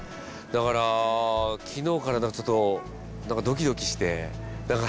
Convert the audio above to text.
だから昨日からちょっとドキドキして。